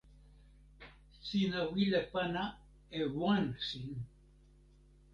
sina wile pana e wan sin.